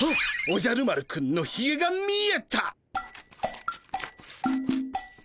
おじゃる丸くんのひげが見えたっ！